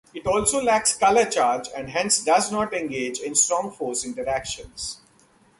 It also lacks color charge and hence does not engage in strong force interactions.